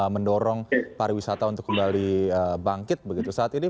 mendorong pariwisata untuk kembali bangkit begitu saat ini